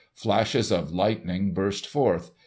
Flashes of lightning burst forth.